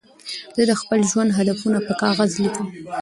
زه د خپل ژوند هدفونه په کاغذ لیکم.